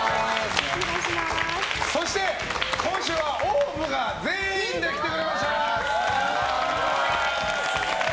そして、今週はＯＷＶが全員で来てくれました！